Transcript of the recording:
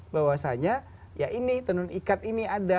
bahwasanya ya ini tenun ikat ini ada